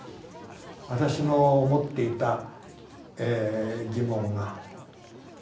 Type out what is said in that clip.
私の持っていた疑問が。